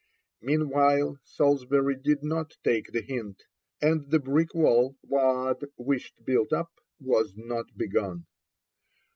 Meanwhile Salisbury did not take the hint, and the brick wall Waad wished built up was not begun.